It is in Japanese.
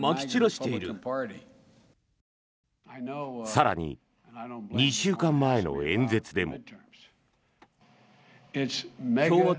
更に、２週間前の演説でも。